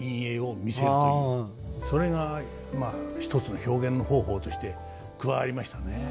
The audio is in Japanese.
それがまあ一つの表現方法として加わりましたね。